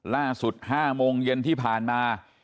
ล่าสุด๕โมงเย็นที่ผ่านมา